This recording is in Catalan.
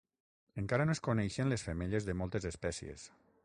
Encara no es coneixen les femelles de moltes espècies.